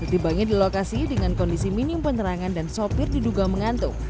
tibanya di lokasi dengan kondisi minim penerangan dan sopir diduga mengantuk